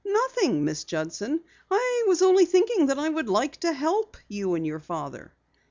"Nothing, Miss Judson. I was only thinking that I would like to help you and your father."